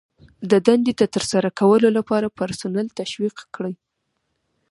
د دندې د ترسره کولو لپاره پرسونل تشویق کړئ.